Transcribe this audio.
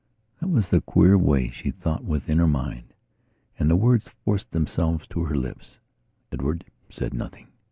That was the queer way she thought within her mind, and the words forced themselves to her lips. Edward said nothing.